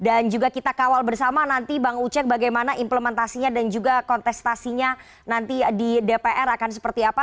dan juga kita kawal bersama nanti bang ucek bagaimana implementasinya dan juga kontestasinya nanti di dpr akan seperti apa